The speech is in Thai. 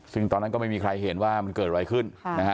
ซึ่งตอนนั้นก็ไม่มีใครเห็นว่ามันเกิดอะไรขึ้นนะฮะ